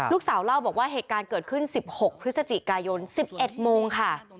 ลูกสาวเล่าบอกว่าเหตุการณ์เกิดขึ้น๑๖พฤศจิกายน๑๑โมงค่ะ